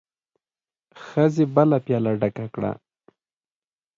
ښځې بله پياله ډکه کړه.